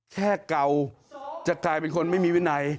เก่าจะกลายเป็นคนไม่มีวินัย